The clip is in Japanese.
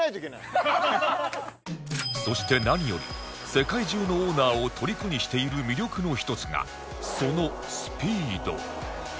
そして何より世界中のオーナーをとりこにしている魅力の１つがそのスピード